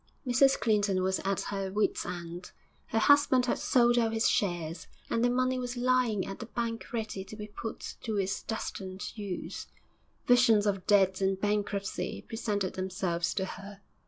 XI Mrs Clinton was at her wit's end. Her husband had sold out his shares, and the money was lying at the bank ready to be put to its destined use. Visions of debt and bankruptcy presented themselves to her.